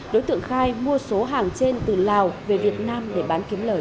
đối tượng khai mua số hàng trên từ lào về việt nam để bán kiếm lời